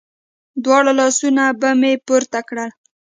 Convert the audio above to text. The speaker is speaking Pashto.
دواړه لاسونه به مې پورته کړل.